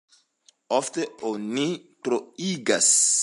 Ofte oni troigas.